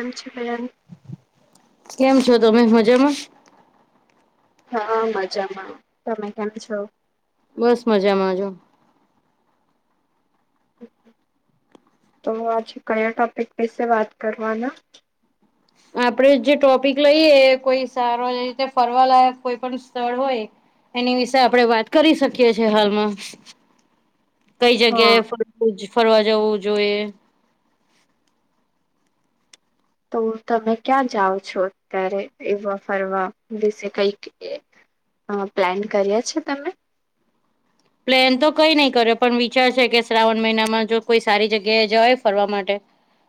એમ છો બહેન. કેમ છો તમે મજામાં? હા મજામાં તમે કેમ છો. બસ મજામાં જો તો આજે કયા ટોપિક વિશે વાત કરવાના? આપડે જે ટોપિક લઈએ કોઈ સારો એ રીતે ફરવાલાયક કોઈ પણ સ્થળ હોય. એની વિશે આપણે વાત કરી શકીએ છીએ હાલમાં. કઈ હા જગ્યાએ ફર ફરવા જવું જોઈએ. તો તમે ક્યાં જાઓ છો અત્યારે એવા ફરવા વિશે કઈક એ અ પ્લાન કર્યા છે તમે? પ્લેન તો કઈ નહી કર્યો પણ વિચાર છે કે શ્રાવણ મહિનામાં જો કોઈ સારી જગ્યાએ જવાય ફરવા માટે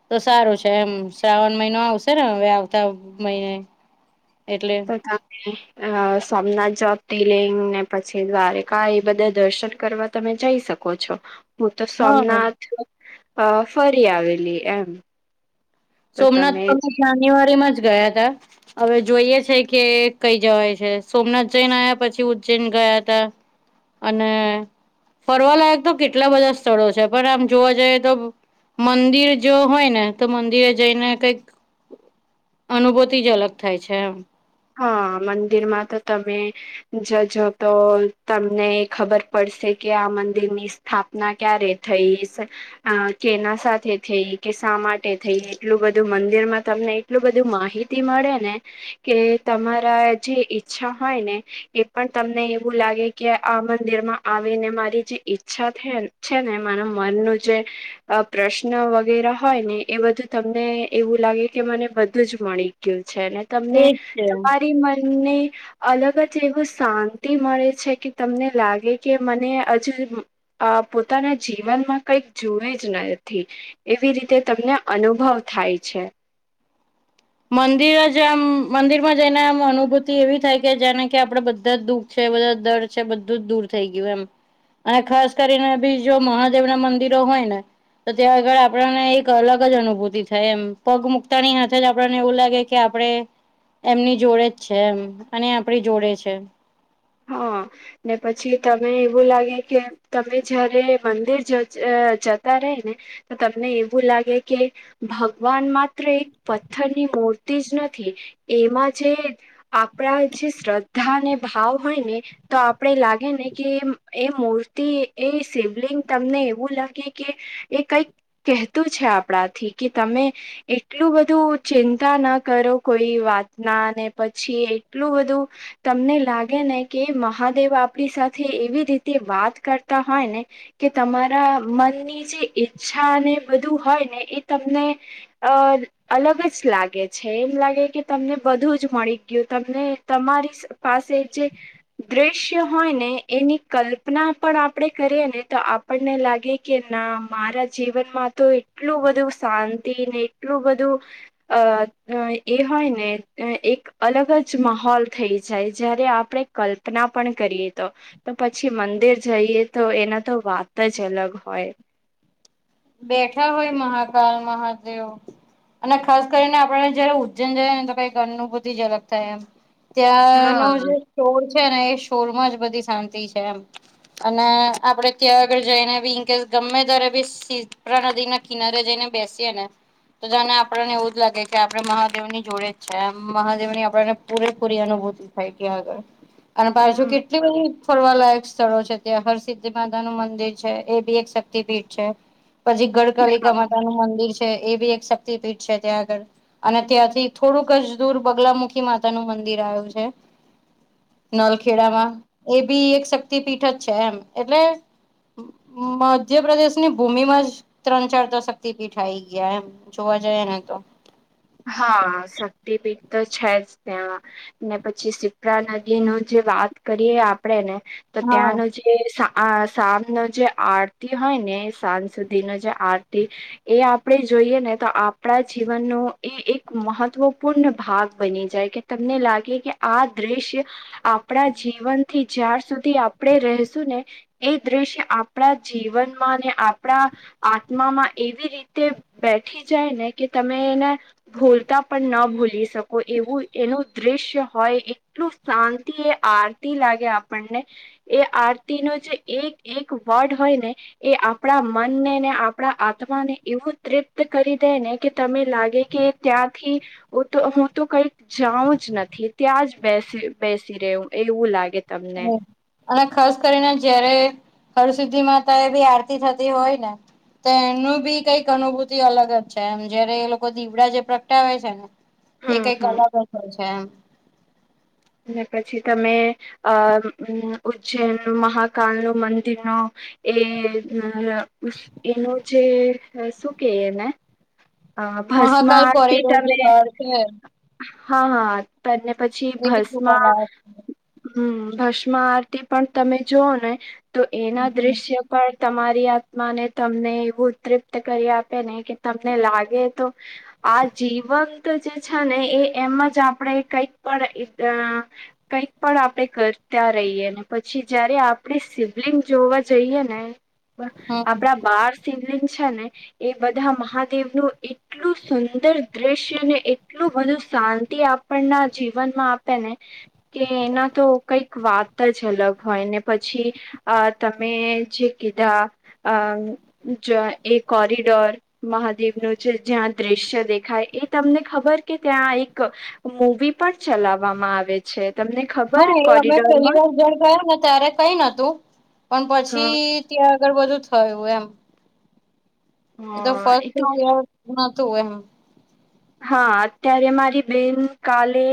તો સારું છે એમ શ્રાવણ મહિનો આવશે ને હવે આવતા મહિને એટલે [unintelligible] અ સોમનાથ જ્યોતિર્લિંગ ને પછી દ્વારકા એ બધા દર્શન કરવા તમે જઈ શકો. કો છો. હું તો હા સોમનાથ આ ફરી આવેલી એમ. તો સોમનાથ તો તમે મે જાન્યુઆરીમાં જ ગયા હતા. હવે જોઈએ છે કે કઈ જવાય છે સોમનાથ જઈને આવ્યા પછી ઉજ્જૈન ગયા હતા. અને ફરવાલાયક તો કેટલા બધા સ્થળો છે. પણ આમ જોવા જઈએ તો મંદિર જો હોય ને તો મંદિર જઈને કઈક અનુભૂતિ જ અલગ થાય છે એમ. હા મંદિરમાં તો તમે જજો તો તમને ખબર પડશે કે આ મંદિરની સ્થાપના ક્યારે થઈશ. અ કેના સાથે થઈ કે શા માટે થઈ એટલું બધું મંદિરમાં તમને એટલું બધું માહિતી મળે ને કે તમારા જે ઈચ્છા હોય ને એ પણ તમને એવું લાગે કે આ મંદિરમાં આવી ને મારી જે ઈચ્છા થેન છે ને મારુ મનનું જે પ્રશ્ન વગેરે હોય ને એ બધું તમને એવું લાગે કે મને બધું જ મળી ગયું છે અને તમને એજ છે. [unintelligible] અલગ જ એવું શાંતિ મળે છે કે તમને લાગે કે મને હજુ આ પોતાના જીવનમાં કઈક જોયે જ નથી. એવી રીતે તમને અનુભવ થાય છે. મંદિર જ આમ મંદિરમાં જઈને આમ અનુભૂતિ એવી થાય કે જેને કે આપડે બધા દુઃખ છે બધા દર છે બધું જ દૂર થઈ ગયું એમ. અને ખાસ કરીને બી જો મહાદેવ ના મંદિરો હોય ને તો ત્યાં આગળ આપણને એક અલગ જ અનુભૂતિ થાય એમ પગ મુકતાની હાથે જ આપણને એવું લાગે કે આપડે એમની જોડે જ છે એમ અને આપડી જોડે છે. હા, ને પછી તને એવું લાગે કે તમે જયારે મંદિર જ જતા રહે ને તો તમને એવું લાગે કે ભગવાન માત્ર એક પથ્થરની મૂર્તિ જ નથી એમાં જે આપડા જે શ્રદ્ધા અને ભાવ હોય ને તો આપડે લાગે ને કે એ મૂર્તિ એ શિવલિંગ તમને એવું લાગે કે એ કઈક કહેતું છે આપણાથી કે તમે એટલું બધું ચિંતા ના કરો કોઈ વાતના ને પછી એટલું બધું તમને લાગે ને કે મહાદેવ આપડી સાથે એવી રીતે વાત કરતા હોય ને કે તમારા મનની જે ઈચ્છા અને બધું હોય ને એ તમને અહ અલગ જ લાગે છે એમ લાગે કે તમને બધું જ મળી ગયું તમને તમારી પાસે જે દ્રશ્ય હોય ને એની કલ્પના પણ આપડે કરીએ ને તો આપણને લાગે કે ના મારા જીવનમાં તો એટલું બધું શાંતિ ને એટલું બધું અહ અહ એ હોય ને અહ એક અલગ જ માહોલ થઈ જાય જય્યારે આપડે કલ્પના પણ કરીએ તો. તો પછી મંદિર જઈએ તો એના તો વાત જ અલગ હોય. બેઠા હોય મહાકલ મહાદેવ અને ખાસ કરીને આપડે જયારે ઉજ્જૈન જાય ને તો કઈક અનુભૂતિ જ અલગ થાય એમ. ત્યાંનો હા જે શોર છે ને એ શોર માં જ બધી શાંતિ છે એમ. અને આપડે ત્યાં આગળ જઈને બી ઇનકેસ ગમે ત્યારે બી સી પરા નદી ના કિનારે જઈને બેસીએ ને તો તને આપણને એવું જ લાગે કે આપડણે મહાદેવ ની જોડે જ છેમ મહાદેવ ની આપણને પૂરેપૂરી અનુભૂતિ થાય તે આગળ અને પાછુ હમ કેટલી બધી ફરવા લાયક સ્થળો છે ત્યાં હરસિદ્ધિ માતા નું મંદિર છે એ બી એક શક્તિપીઠ છે. પછી ગડકાલિકા માતા નું મંદિર છે એ બી એક શક્તિપીઠ છે ત્યાં આગળ. અને ત્યાંથી થોડુંક જ દૂર બગલામુખી માતાનું મંદિર આયું છે નલખેડામાં એ બી એક શક્તિ પીઠ જ છે એમ એટલે મધ્યપ્રદેશની ભૂમિમાં જ ત્રણ ચાર તો શક્તિપીઠ આ આવી ગયા એમ જોવા જાએ ને તો. હા, શક્તિપીઠ તો છે જ ત્યાં ને પછી સિપ્રા નદી નું જે વાત કરીએ આપડે ને તો હા ત્યાંનું જે તે સા આ સાંજ નું એ જે આરતી હોય ને સાંજ સુધી નો જે આરતી એ આપડે જોઈએ ને તો આપડા જીવનનું એ એક મહત્વપૂર્ણ ભાગ બની જાય કે તમને લાગે કે આ દ્રશ્ય આપડા જીવનથી જ્યાાર સુધી આપણે રેહશું ને એ દ્રશ્ય આપડા જીવનમાં ને આપડા આત્મામાં એવી રીતે બેઠી જાય ને કે તમે એને ભોલતા પણ ન ભૂલી શકો એવું એનું દ્રશ્ય હોય એટલું શાંતિ એ આરતી લાગે આપણને એ આરતી નો જે એક એક વર્ડ હોય ને એ આપણા મનને ને આપણા આત્માને એવું તૃપ્ત કરી દે ને કે તમે લાગે કે ત્યાંથી તો હું તો કઈક જાઉં જ નથી ત્યાં જ બેસી બેસી રેહ એવું લાગે. તમને એમ. અને ખાસ કરીને જયારે હળસિદ્ધિ માતા એ બી આરતી થતી હોય ને તો એનું બી કંઈક અનુભૂતિ અલગ જ છે એમ જયારે એ લોકો દીવડા જે પ્રગટાવે છે ને એ હમ કઈ હમ કંઈક અલગ જ છે એમ. પછી તમે અ ઉજ્જૈન મહાકાલ નુ મંદિરનો. એ એનું જે શું કે એને? અ ભસ્મા મહાકાલ આરતી કોરિડોર જે તમે બહાર છે હા હા. પદ ને પછી એ બી ભસ્મ મ. જોવાલાયક છે. હમ્મ ભસ્મ આરતી પણ તમે જોઓ ને તો એના દ્રશ્ય પણ. તમારી આત્માને તમને એવું તૃપ્ત કરી આપે ને કે તમને લાગે તો આ જીવંત જે છે ને એ એમાં જ આપણે કઈક પણ કંઈક પણ આપણે કરતા રહીએ ને પછી જયારે આપણે શિવલિંગ જોવા જઈએ ને હમ આપણા બાર શિવલિંગ છે ને એ બધા મહાદેવનું એક એટલું સુંદર દ્રશ્ય ને એટલું બધું શાંતિ આપણના જીવનમાં આપે ને કે એના તો કઈક વાત જ અલગ હોય ને પછી અ તમે જે કીધા. અ જો એ કોરિડોર મહ દેવનું જે જ્યાં દ્રશ્ય દેખાય એ તમને ખબર કે ત્યાં એક. મૂવી પણ ચલાવવામાં આવે છે તમને હા ખબર એ અમે પેલી કોરિડોરમાં વાર જ્યાર ગયા ને ત્યારે કઈ ન હતું પણ હ પછી. ત્યાં આગળ બધું થયું એમ. એ તો હ ફર્સ્ટ તો કેર ના તોય નહતુ એમ. હા અત્યારે મારી બેન કાલે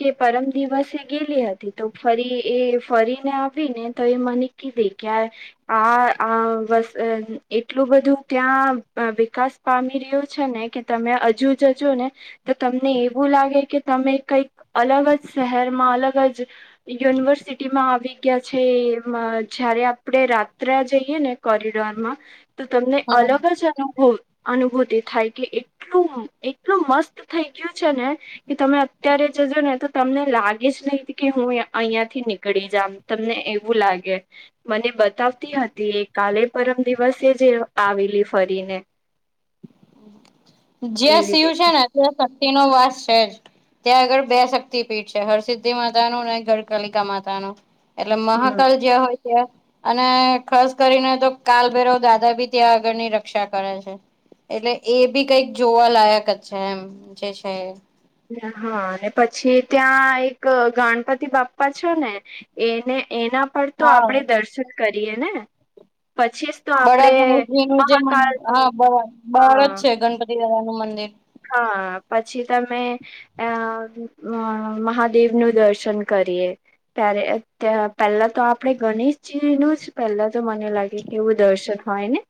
કે પરમ દિવસે એ ગેલી હતી તો ફરી એ ફરીને આવીને તો એ મને કીદી દેખ્યા. આ વ એટલું બધું ત્યાં વિકાસ પામી રહ્યું છે ને કે તમે હજુ જજો ને તો તમને એવું લાગે કે તમે કંઈક અલગ જ શહેરમાં અલગ જ યુનિવર્સિટી માં આવી ગયા છે એ જયારે આપણે રાત્રે જઈએ ને કોરિડોરમાં તો તમને હમ અલગ જ અનુભવ અનુભૂતિ થાય કે એટલું. એટલું મસ્ત થઈ ગયું છે ને! કે તમે અત્યારે જજો ને તો તમને લાગે જ નહ કે હું અહિયાં થી નીકળી જામ. તમને એવું લાગે. મને બતાવતી હતી એ કાલે પરમ દિવસે જે આવેલી ફરીને. જે એવી શિવ રીતે છે ને તે ભક્તિ નો વાસ છે જ. ત્યાં આગળ બે શક્તિપીઠ છે હરસિદ્ધિ માતા નું ને ગઢકલિકા માતા નું. એટલે હમ મહાકાલ જ્યા હોય. અને ખાસ કરીને તો કાલભેૈરાવ દાદા ભી ત્યાં આગળની રક્ષા કરે છે. એટલે એ બી કંઈક જોવાલાયક જ છે એમ જે છે એ. હા અને પછી ત્યાં એક ગણપતિ બાપ્પા છે ને. એને એના પર તો હા આપણે દર્શન કરીએ ને પછી તો આપડે બડા ગણેશજી નું જે મહાકાલ નું હા બ બાર જ હા છે ગણપતિ દદા નું મંદિર. હા પછી તમે. અ મહાદેવ નું દર્શન કરીએ. ત્યારે પહેલા તો આપણેે ગણેશજી નુ જ પહેલા તો મને લાગે એવું દર્શન હોય ને?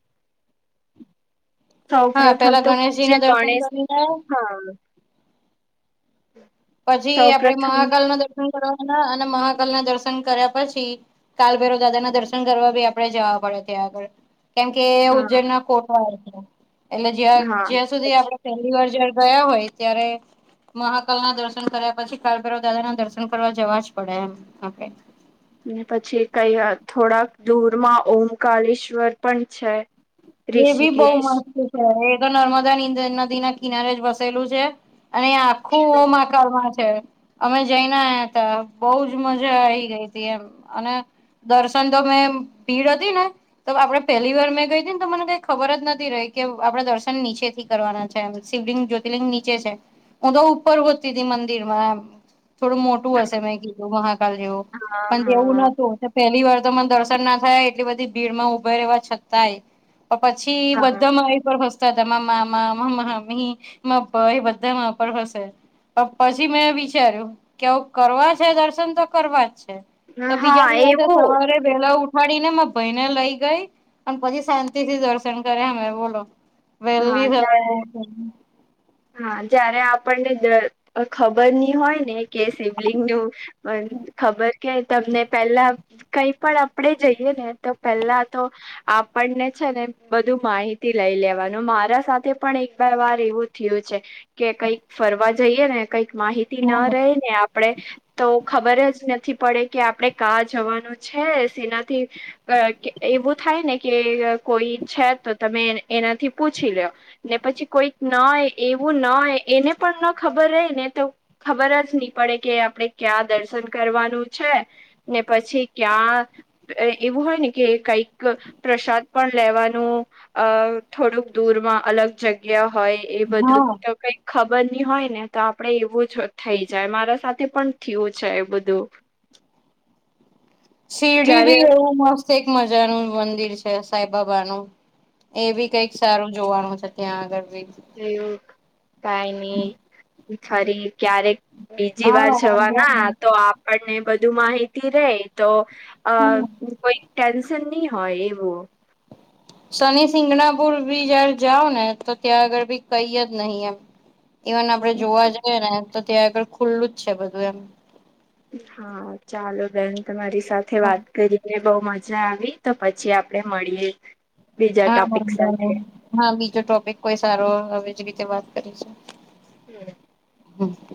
સૌ હા પ્રથમ પેલા તો ગણેશજી પૂજ્ય ના દર્શન ગણેશ કરી ને હા. પછી સૌ આપડે પ્રથમ મહાકાલ ના દર્શન કરવાના અને મહાકાલ ના દર્શન કર્યા પછી. કાલભૈરવ દાદા ના દર્શન કરવા બી આપડે જવા પડે ત્યા આગળ. કેમ કે એ હા ઉજ્જૈન ના કોટો આવે છે એટલે હા જે સુધી આપડે પછી પહેલી વાર જયાર ગયા હોય ત્યારે મહાકાલ ના દર્શન કર્યા પછી કાલભૈરવ દાદા ના દર્શન કરવા જવા જ પડે એમ આપડે. ને પછી કઈ થોડાક દૂરમાં ઓમકલેશ્વર પણ છે. એ બી બહુ ઋષિકેશ મસ્ત છે એ તો નર્મદા નદી ના કિનારે જ વસેલું છે. અને આખું ઓમઆકારમાં છે. અમે જઈ ના આયા હતા બોજ મજા આઈ ગઈ હતી એમ અને દર્શન તો મેં ભીડ હતી ને તો આપડે પહેલી વાર મેં ગઈ હતી ને તો મને કઈ ખબર જ નથી રહી કે આપડે દર્શન નીચે થી કરવાના છે શિવલિંગ જ્યોતિર્લિંગ નીચે છે. ઉ તો ઉપર ગોતીતી મંદિરમાં એમ થોડું મોટું હસે મે કીધૂ મહાકાાલ જેવુ. હા પણ જેવું હા નતું પહેલી વાર તો મને દર્શન ના થયા એટલી બધી ભીડ માં ઊભા રહેવા છતાંય. પછી બધા મારી પર હસ તાતા મામા માં મામી મા ભાઈ બધા એ મારા પર હશે. પછી મેં વિચાર્યું કે અવ કરવા છે દર્શન તો કરવા જ છે. તો હા બીજા હા દિવસે સવારે એવું વેલા ઉઠાડીને મા ભાઈને લઈ ગઈ અને પછી શા તીથી દર્શન કર્યા મે બોલો. હા વહેલી સવારે જાણે હા જયારે આપણને ખબર ની હોય ને કે શિવલિંગ નું પણ ખબર કે તમને પેલા કઈ પણ આપણેે જઈએ ને તો પેલા તો આપણને છે ને બધું માહિતી લઈ લેવા. મારા સાથે પણ એક બે વાર એવું થયું છે. કે કઈક ફરવા જઈએ ને કંઈક માહિતી ન રહે ને આપણેે તો ખબર જ નથી પડે કે આપણેે કા જવાનું છે સેનાથી એવું થાય ને કે કોઈ છે તો તમે એનાથી પૂછ લ્યો ને પછી કોઈક ન એવું ન એને પણ ન ખબર રહે ને તો ખબર જ નહી પડે કે આપડે ક્યાં દર્શન કરવાનું છે. ને પછી ક્યાં એવું હોય ને કે કઈક પ્રસાદ પણ લેવાનું અ થોડુંક દૂરમાં અલગ જગ્યા હોય એ બધું હા તો કઈક ખબર ની હોય ને તો આપડે એવું જ થઈ જાય મારા સાથે પણ થયું છે બધું. સીડી જયારે ભી એવુ મસ્ત એક મજાનું મંદિર છે સાઈબબાનું. એ બી કઈક સારું જોવાનું છે ત્યાં આગળી. કાય ની ફરી ક્યારેક બીજી હા વાર વાંધો જવાના નહી તો આપણને બધું માહિતી રે તો અ હમ કોઈ ટેન્શન નહી હોય એવું. શનિ સિંગણાપુર બી જયાર જાઓ ને તો ત્યાં આગળ બી કઈ જ નહી એમ. ઇવન આપડે જોવા જઈએ ને તો ત્યાં આગળ ખુલ્લું જ છે બધું એમ. હા ચાલો બેન તમારી સાથે હા વાત કરી ને બહ મજા આવી તો પછી આપે મળીએ બીજા હા ટોપિક વાંધો સાથે. નહી હા બીજો ટોપિક કોઈ સારો આવી જ રીતે વાત કરીશું. હમ્મ. હમ્મ.